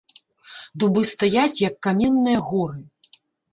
Дубы стаяць, як каменныя горы.